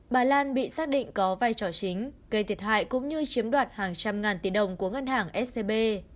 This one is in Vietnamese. bà lan bị xác định có vai trò chính gây thiệt hại cũng như chiếm đoạt hàng trăm ngàn tỷ đồng của ngân hàng scb